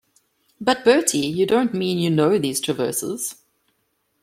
But, Bertie, you don't mean you know these Traverses?